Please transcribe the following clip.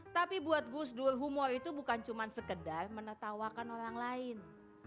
tapi buat gus dur humor itu bukan cuma sekedar menetawakan orang lain